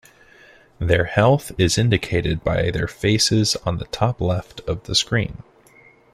Their health is indicated by their faces on the top left of the screen.